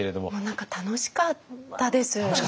何か楽しかったです。